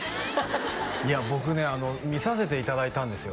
いや僕ね見させていただいたんですよ